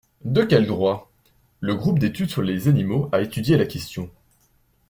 De quel droit ? Le groupe d’études sur les animaux a étudié la question.